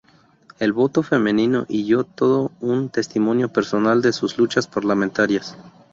El voto femenino y yo", todo un testimonio personal de sus luchas parlamentarias.